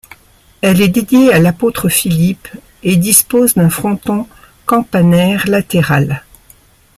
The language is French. Elle est dédiée à l'apôtre Philippe et dispose d'un fronton campanaire latéral.